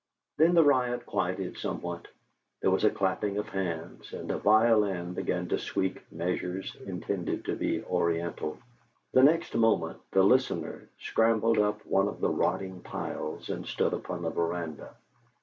Then the riot quieted somewhat; there was a clapping of hands, and a violin began to squeak measures intended to be Oriental. The next moment the listener scrambled up one of the rotting piles and stood upon the veranda.